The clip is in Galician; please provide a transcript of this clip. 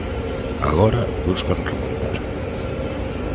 Agora buscan remontar.